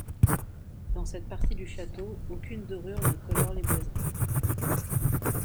Dans cette partie du château, aucune dorure ne colore les boiseries.